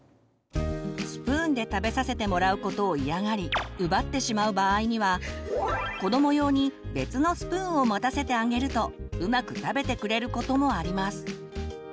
スプーンで食べさせてもらうことを嫌がり奪ってしまう場合には子ども用に別のスプーンを持たせてあげるとうまく食べてくれることもあります。